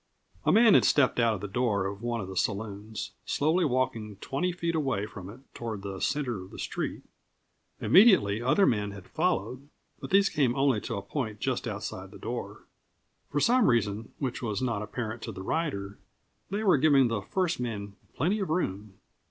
A man had stepped out of the door of one of the saloons, slowly walking twenty feet away from it toward the center of the street. Immediately other men had followed. But these came only to a point just outside the door. For some reason which was not apparent to the rider, they were giving the first man plenty of room.